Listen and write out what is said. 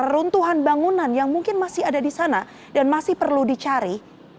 runtuhan bangunan yang mungkin masih ada di sana dan masih perlu dicari